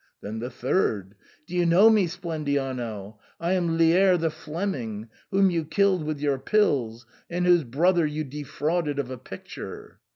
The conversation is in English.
Then the third, " Do you know me, Splendiano ? I am Liers, the Fleming, whom you killed with your pills, and whose brother you defrauded of a picture."